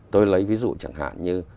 tôi lấy ví dụ chẳng hạn như